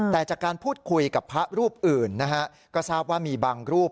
แต่จากการพูดคุยกับพระรูปอื่นนะฮะก็ทราบว่ามีบางรูป